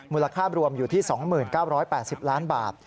มูลค่ารวมอยู่ที่๒๙๘๐ล้านบาท